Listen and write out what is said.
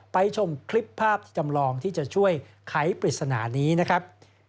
ชมคลิปภาพจำลองที่จะช่วยไขปริศนานี้นะครับ